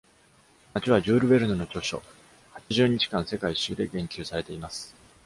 街はジュール・ヴェルヌの著書「八十日間世界一周」で言及されています。